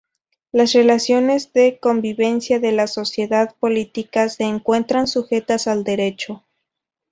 Las relaciones de convivencia de la sociedad política se encuentran sujetas al derecho.